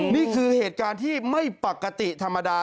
นี่คือเหตุการณ์ที่ไม่ปกติธรรมดา